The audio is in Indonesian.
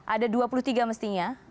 ada dua puluh tiga mestinya